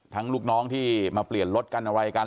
ลูกน้องที่มาเปลี่ยนรถกันอะไรกัน